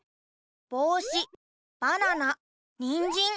ぼうしばななにんじん。